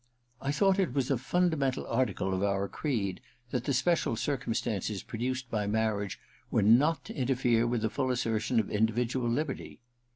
'I thought it was a fundamental article of our creed that the special circumstances produced by marriage were not to interfere with the full assertion of individual liberty.'